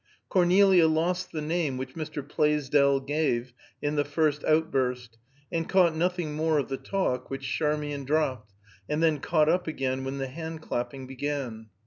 Cornelia lost the name which Mr. Plaisdell gave, in the first outburst, and caught nothing more of the talk which Charmian dropped, and then caught up again when the hand clapping began.